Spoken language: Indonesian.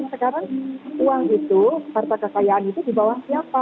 sekarang uang itu harta kekayaan itu di bawah siapa